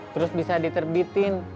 terus bisa diterbitin